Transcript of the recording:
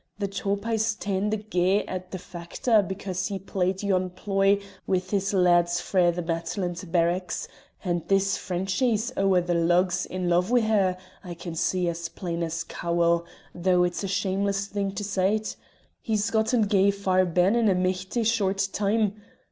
The tawpie's taen the gee at the Factor because he played yon ploy wi' his lads frae the Maltland barracks, and this Frenchy's ower the lugs in love wi' her, I can see as plain as Cowal, though it's a shameless thing to say't. He's gotten gey far ben in a michty short time.